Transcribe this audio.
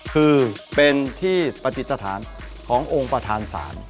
คือเป็นที่ปฏิสถานขององค์ประธานศาล